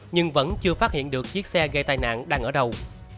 nhưng vẫn chưa phát hiện được chiếc xe gây tai nạn đang ở đâu